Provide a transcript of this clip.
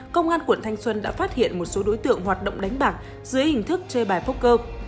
công an quận thanh xuân đã phát hiện một số đối tượng hoạt động đánh bạc dưới hình thức chơi bài phúc cơ